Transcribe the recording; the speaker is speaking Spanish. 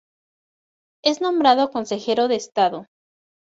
Es nombrado consejero de Estado.